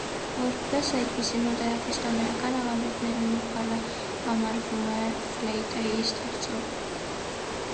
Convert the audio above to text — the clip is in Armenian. Որպես այդպիսին հուդայաքրիստոնեկան ավանդույթներում յուբալը համարվում է ֆլեյտայի ստեղծողը։